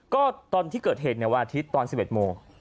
ก็ตอนที่เกิดเหตุในวันอาทิตย์ตอน๑๑โมง